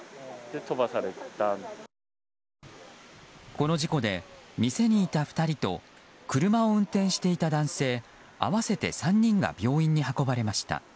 この事故で、店にいた２人と車を運転していた男性合わせて３人が病院に運ばれました。